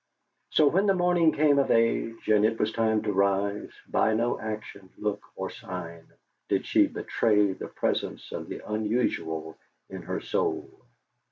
So, when the morning came of age and it was time to rise, by no action, look, or sign, did she betray the presence of the unusual in her soul.